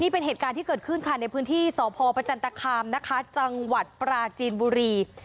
นี่เป็นเหตุการณ์ที่เกิดขึ้นค่ะในพื้นที่สพปจังหวัดปลาจีนบุรี